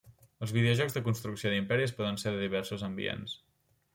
Els videojocs de construcció d'imperis poden ser de diversos ambients.